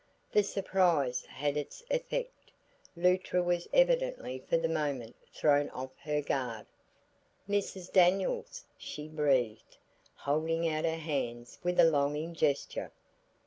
The surprise had its effect; Luttra was evidently for the moment thrown off her guard. "Mrs. Daniels!" she breathed, holding out her hands with a longing gesture.